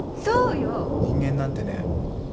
人間なんてね